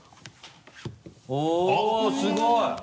おぉすごい！